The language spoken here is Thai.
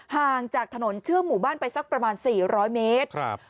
ห่างจากถนนเชื่อมหมู่บ้านไปสักประมาณ๔๐๐เมตร